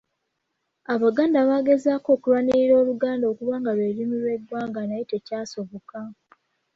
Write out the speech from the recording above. Abaganda baagezaako okulwanirira Oluganda okubanga lwe Lulimi lw'eggwanga naye tekyasoboka.